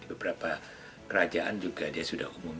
beberapa kerajaan juga dia sudah umum